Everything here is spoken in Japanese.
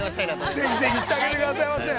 ◆ぜひぜひしてあげてくださいませ。